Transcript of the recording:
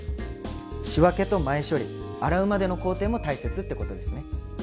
仕分けと前処理洗うまでの工程も大切ってことですね。